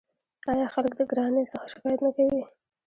آیا خلک د ګرانۍ څخه شکایت نه کوي؟